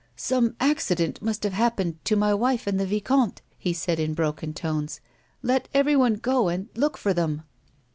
"Some accident must have hajjpened to my wife and the vicomte," he said in broken tones. " Let everyone go and look for them."